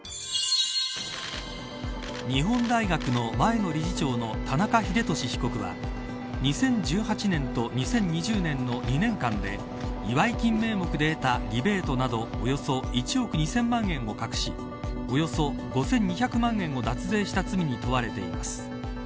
日本大学の前の理事長の田中英寿被告は２０１８年と２０２０年の２年間で祝い金名目で得たリベートなどおよそ１億２０００万円を隠しおよそ５２００万円を脱税した罪に問われています。